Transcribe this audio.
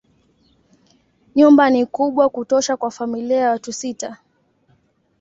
Nyumba ni kubwa kutosha kwa familia ya watu sita.